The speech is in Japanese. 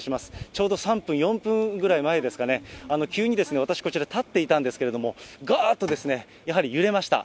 ちょうど３分、４分ぐらい前ですかね、急に私、こちら立っていたんですけれども、がーっと、やはり揺れました。